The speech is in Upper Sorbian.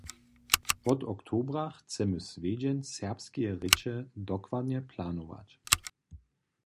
Wot oktobra chcemy swjedźeń serbskeje rěče dokładnje planować.